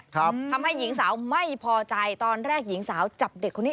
ทำให้หญิงสาวไม่พอใจตอนแรกหญิงสาวจับเด็กคนนี้